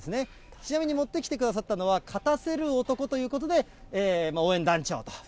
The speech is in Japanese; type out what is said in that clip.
ちなみに持ってきてくださったのは、勝たせる男ということで、おっす。